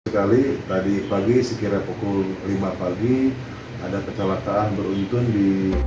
sekali tadi pagi sekira pukul lima pagi ada kecelakaan beruntun di